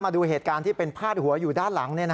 มาดูเหตุการณ์ที่เป็นพาดหัวอยู่ด้านหลัง